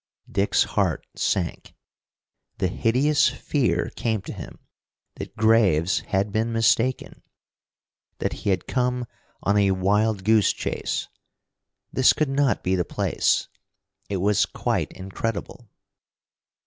Dick's heart sank. The hideous fear came to him that Graves had been mistaken, that he had come on a wild goose chase. This could not be the place. It was quite incredible.